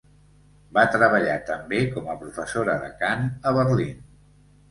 Va treballar també com a professora de cant a Berlín.